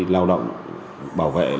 lao động bảo vệ